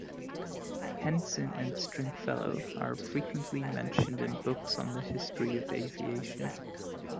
Henson and Stringfellow are frequently mentioned in books on the history of aviation.